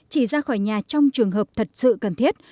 chỉ ra khỏi nhà trong trường hợp thật sự cần thiết